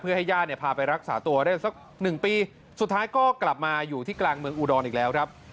เพื่อให้ญาติเนี่ยพาไปรักษาตัวได้สักหนึ่งปีสุดท้ายก็กลับมาอยู่ที่กลางเมืองอุดรอีกแล้วครับ